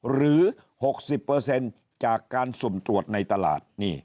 หรือ๖๐จากการสุ่มตรวจในตลาด